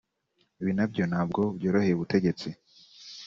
Ibi nabyo ntabwo byoroheye ubutegetsi